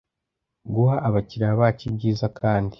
guha abakiliya bacu ibyiza kandi